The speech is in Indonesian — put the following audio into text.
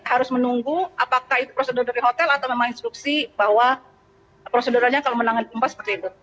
harus menunggu apakah itu prosedur dari hotel atau memang instruksi bahwa proseduralnya kalau menangani pompa seperti itu